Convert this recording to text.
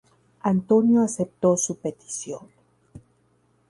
Antonio aceptó su petición.